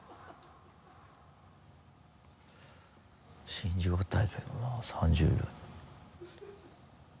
信じがたいけどな３０秒。